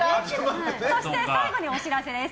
そして最後にお知らせです。